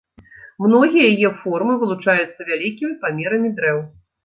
Многія яе формы вылучаюцца вялікімі памерамі дрэў.